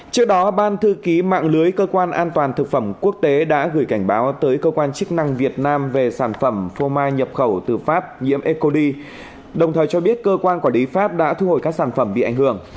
trước đó ban thư ký mạng lưới cơ quan an toàn thực phẩm quốc tế đã gửi cảnh báo tới cơ quan chức năng việt nam về sản phẩm phô mai nhập khẩu từ pháp nhiễm ecodi đồng thời cho biết cơ quan quản lý pháp đã thu hồi các sản phẩm bị ảnh hưởng